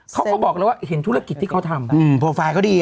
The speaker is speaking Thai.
เขาก็บอกเลยว่าเห็นธุรกิจที่เขาทำโปรไฟล์เขาดี